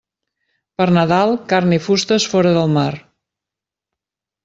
Per Nadal, carn i fustes fora del mar.